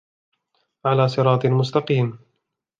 عَلَى صِرَاطٍ مُسْتَقِيمٍ